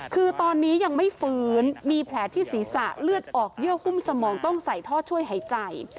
คือตอนนี้ยังไม่ฟื้นมีแผลที่ศีรษะเลือดออกเยื่อหุ้มสมองต้องใส่ท่อช่วยหายใจ